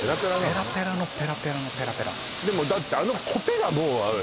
ペラペラのペラペラのペラペラだってあのコテがもうねっ